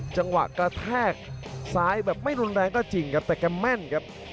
กระแทกซ้ายแบบไม่รุนแรงก็จริงครับแต่แกแม่นครับ